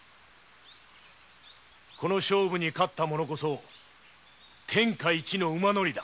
この勝負に勝った者こそ天下一の馬乗りだ。